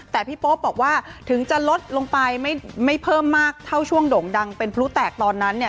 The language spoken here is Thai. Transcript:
แต่พี่โป๊ปบอกว่าถึงจะลดลงไปไม่เพิ่มมากเท่าช่วงโด่งดังเป็นพลุแตกตอนนั้นเนี่ย